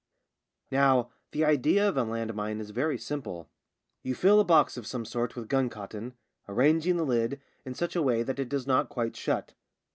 Now the idea of a land mine is very simple. 74 JAMES AND THE LAND MINE You fill a box of some sort with guncotton, arranging the lid in such a way that it does not quite shut.